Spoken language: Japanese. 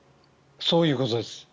そういうことです。